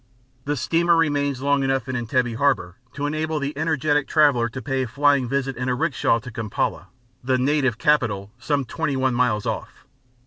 The steamer remains long enough in Entebbe harbour to enable the energetic traveller to pay a flying visit in a rickshaw to Kampala, the native capital, some twenty one miles off.